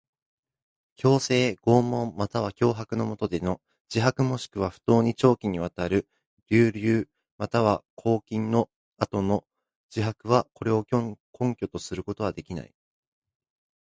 強制、拷問または脅迫のもとでの自白もしくは不当に長期にわたる抑留または拘禁の後の自白は、これを証拠とすることはできない。